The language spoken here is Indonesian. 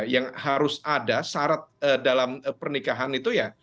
yang harus ada syarat dalam pernikahan itu ya